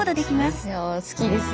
いや好きです。